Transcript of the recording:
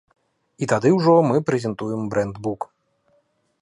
І тады ўжо мы прэзентуем брэндбук.